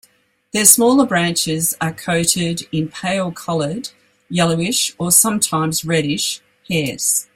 Their smaller branches are coated in pale-colored, yellowish, or sometimes reddish hairs.